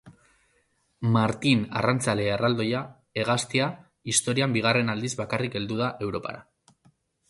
Martin Arrantzale Erraldoia hegaztia historian bigarren aldiz bakarrik heldu da Europara.